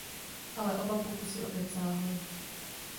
Ale oba pokusy opět selhaly.